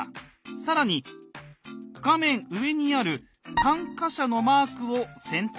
更に画面上にある「参加者」のマークを選択。